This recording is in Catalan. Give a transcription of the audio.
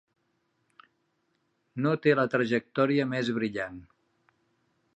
No té la trajectòria més brillant.